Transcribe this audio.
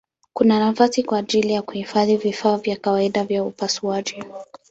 Kuna nafasi kwa ajili ya kuhifadhi vifaa vya kawaida vya upasuaji.